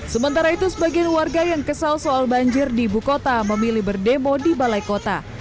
sementara itu sebagian warga yang kesal soal banjir di ibu kota memilih berdemo di balai kota